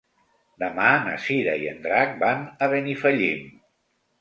Demà na Cira i en Drac van a Benifallim.